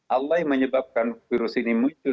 allah yang menyebabkan virus ini muncul